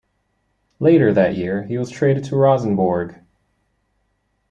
Later that year he was traded to Rosenborg.